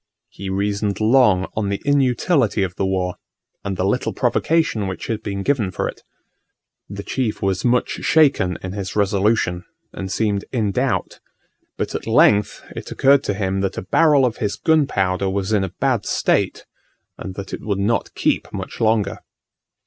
He reasoned long on the inutility of the war, and the little provocation which had been given for it. The chief was much shaken in his resolution, and seemed in doubt: but at length it occurred to him that a barrel of his gunpowder was in a bad state, and that it would not keep much longer.